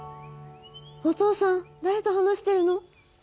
お父さん誰と話してるの？